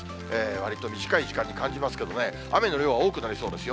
わりと短い時間に感じますけれどもね、雨の量は多くなりそうですよ。